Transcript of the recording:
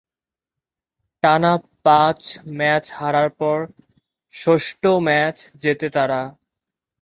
টানা পাঁচ ম্যাচ হারার পর ষষ্ঠ ম্যাচ জেতে তারা।